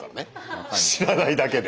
知らないだけで。